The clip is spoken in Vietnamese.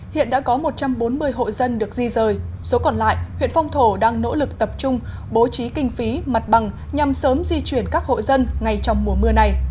hiện đã có một trăm bốn mươi hộ dân được di rời số còn lại huyện phong thổ đang nỗ lực tập trung bố trí kinh phí mặt bằng nhằm sớm di chuyển các hộ dân ngay trong mùa mưa này